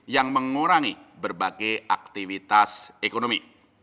yang mengurangi berbagai aktivitas ekonomi